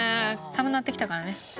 寒なってきたからね。